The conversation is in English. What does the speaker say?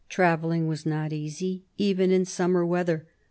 Travelling was not easy even in summer weather.